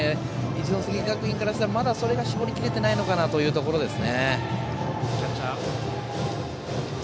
一関学院からしたら、まだそれが絞りきれてないのかなというところです。